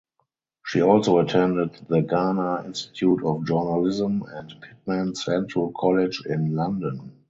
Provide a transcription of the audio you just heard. She also attended the Ghana Institute of Journalism and Pitman Central College in London.